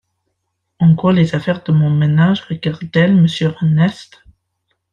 En quoi les affaires de mon ménage regardent-elles Monsieur Ernest ?